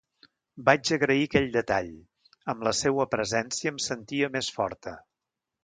Vaig agrair aquell detall; amb la seua presència em sentia més forta.